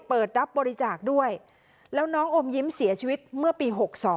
เปิดรับบริจาคด้วยแล้วน้องอมยิ้มเสียชีวิตเมื่อปี๖๒